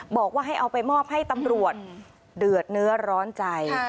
บอกว่าให้เอาไปมอบให้ตำรวจเดือดเนื้อร้อนใจ